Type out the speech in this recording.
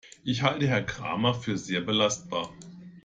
Ich halte Herrn Kramer für sehr belastbar.